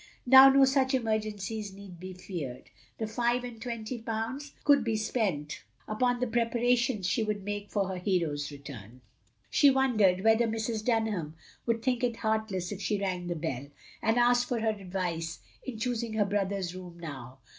Now no such emergencies need be feared. The five and twenty pounds could be spent upon the preparations she would make for her hero's retum. 76 THE LONELY LADY She wondered whether Mrs. Dunham would think it heartless if she rang the bell, and asked for her advice in choosing her brother's room now.